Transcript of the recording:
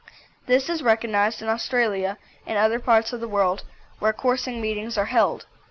This is recognised in Australia and other parts of the world where coursing meetings are held.